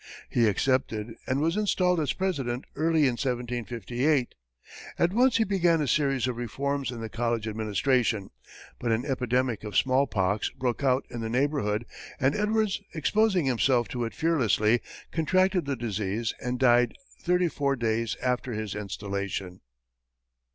He accepted and was installed as president early in 1758. At once he began a series of reforms in the college administration, but an epidemic of small pox broke out in the neighborhood, and Edwards, exposing himself to it fearlessly, contracted the disease and died thirty four days after his installation.